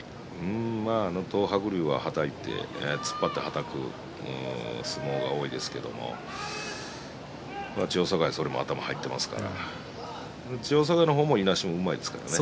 東白龍ははたいて突っ張ってはたく相撲が多いですけども千代栄もそれは頭に入っていますから千代栄も、いなしがうまいですからね。